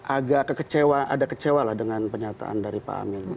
agak kecewa lah dengan penyataan dari pak amin